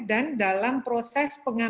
dan dalam proses penggunaan